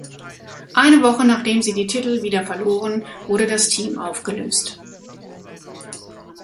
Eine Woche nachdem sie die Titel wieder verloren, wurde das Team aufgelöst.